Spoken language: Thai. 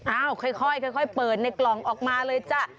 ค่อยเปิดในกล่องออกมาเลยจ้ะ